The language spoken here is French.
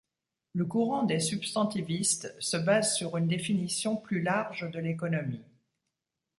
Le courant des substantivistes se base sur une définition plus large de l'économie.